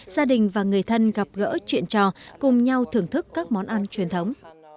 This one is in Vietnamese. gia đình và người thân gặp gỡ chuyện trò cùng nhau thưởng thức các món ăn truyền thống